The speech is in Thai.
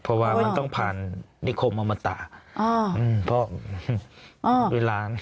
เพราะว่ามันต้องผ่านนิคมอมตะเพราะด้วยล้าน